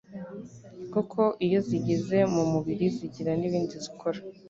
kuko iyo zigeze mu mubiri zigira n'ibindi zikora.